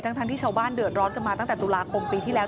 ทั้งที่ชาวบ้านเดือดร้อนกันมาตั้งแต่ตุลาคมปีที่แล้ว